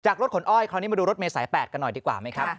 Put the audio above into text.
รถขนอ้อยคราวนี้มาดูรถเมษาย๘กันหน่อยดีกว่าไหมครับ